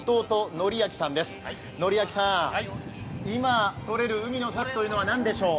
憲昭さん、今、とれる海の幸というのは何でしょう？